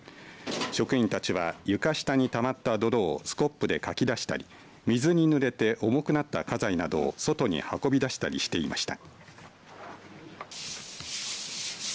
職員たちは床下にたまった泥をスコップでかき出したり水にぬれて重くなった家財などを外に運び出したりしていました。